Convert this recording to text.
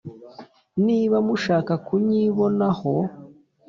niba mushaka kunyibonaho,